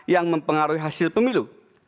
yang mempengaruhi hasil pemilu